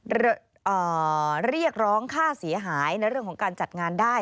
เรียกร้องค่าเสียหายในเรื่องของการจัดงานได้